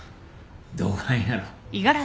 どがんやろう。